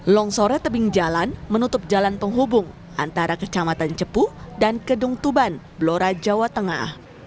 longsornya tebing jalan menutup jalan penghubung antara kecamatan cepu dan kedung tuban blora jawa tengah